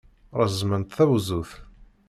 Reẓẓment tazewwut.